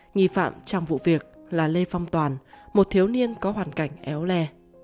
nghi phạm trong vụ việc là lê phong toàn một thiếu niên có hoàn cảnh éo le